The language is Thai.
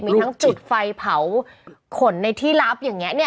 มีทั้งจุดไฟเผาขนในที่ลับอย่างนี้เนี่ย